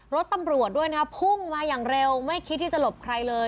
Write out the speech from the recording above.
รถตำรวจด้วยนะครับพุ่งมาอย่างเร็วไม่คิดที่จะหลบใครเลย